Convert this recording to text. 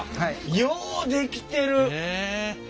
ようできてる！